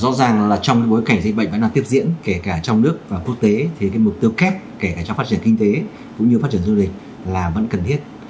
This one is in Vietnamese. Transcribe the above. rõ ràng là trong cái bối cảnh dịch bệnh vẫn đang tiếp diễn kể cả trong nước và quốc tế thì mục tiêu kép kể cả trong phát triển kinh tế cũng như phát triển du lịch là vẫn cần thiết